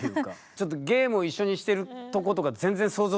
ちょっとゲームを一緒にしてるとことか全然想像できないんですけど。